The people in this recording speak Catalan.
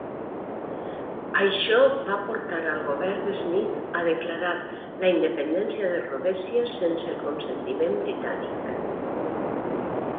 Això va portar al govern de Smith a declarar la independència de Rhodèsia sense el consentiment britànic.